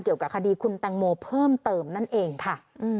เกี่ยวกับคดีคุณแตงโมเพิ่มเติมนั่นเองค่ะ